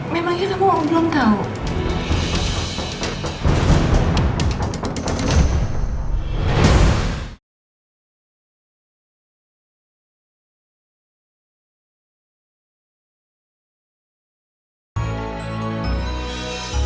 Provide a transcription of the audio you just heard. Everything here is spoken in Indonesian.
memangnya kamu belum tau